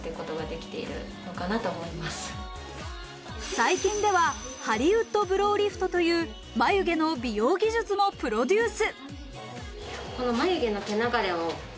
最近ではハリウッドブロウリフトという眉毛の美容技術もプロデュース。